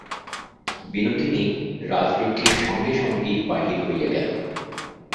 বিনোদিনী রাজলক্ষ্মীর সঙ্গে-সঙ্গেই বাহির হইয়া গেল।